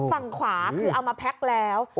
ฝั่งขวาคือเอามาแพ็คแล้ว